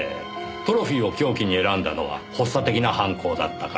トロフィーを凶器に選んだのは発作的な犯行だったから。